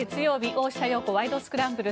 「大下容子ワイド！スクランブル」。